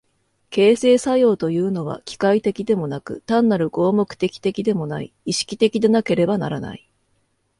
形成作用というのは機械的でもなく単なる合目的的でもない、意識的でなければならない。